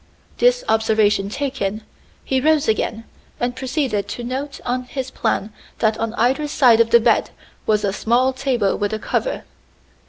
This observation taken, he rose again and proceeded to note on his plan that on either side of the bed was a small table with a cover.